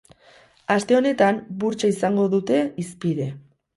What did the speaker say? Aste honetan, burtsa izango dute hizpide.